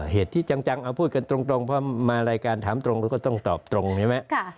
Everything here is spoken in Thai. เหตุที่จังเอาพูดกันตรงเพราะมารายการถามตรงเราก็ต้องตอบตรงใช่ไหม